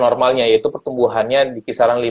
normalnya yaitu pertumbuhannya di kisaran